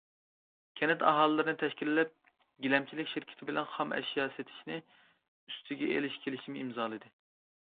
كەنت ئاھالىلىرىنى تەشكىللەپ، گىلەمچىلىك شىركىتى بىلەن خام ئەشيا، سېتىشنى ئۈستىگە ئېلىش كېلىشىمى ئىمزالىدى.